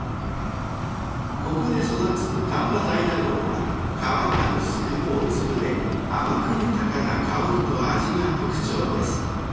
［ここで育つ丹波大納言は皮が薄く大粒で甘く豊かな香りと味が特徴です］